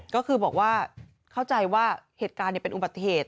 ก็คือบอกว่าเข้าใจว่าเหตุการณ์เป็นอุบัติเหตุ